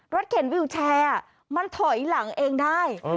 เข็นวิวแชร์มันถอยหลังเองได้